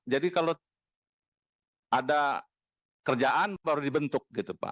jadi kalau ada kerjaan baru dibentuk